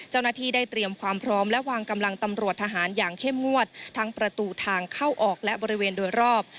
เจ้าหน้าที่ได้เตรียมความพร้อมและวางกำลังตำรวจทหารอย่างเข้มงวดทั้งประตูทางเข้าออกและบริเวณโดยรอบ